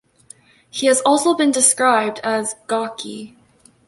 He has also been described as "gawky".